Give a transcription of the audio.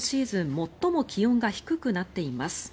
最も気温が低くなっています。